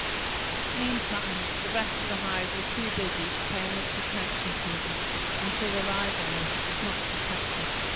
Meantime, the rest of the hive were too busy to pay much attention to them, and so their idleness was not detected.